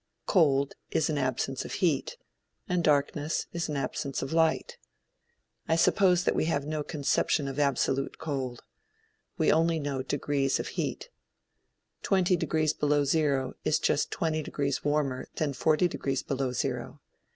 Cold is an absence of heat, and darkness is an absence of light. I suppose that we have no conception of absolute cold. We know only degrees of heat. Twenty degrees below zero is just twenty degrees warmer than forty degrees below zero.